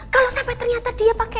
kalo sampai ternyata dia pake